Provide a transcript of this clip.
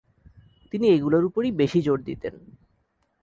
তিনি এগুলাের উপরই বেশি জোর দিতেন।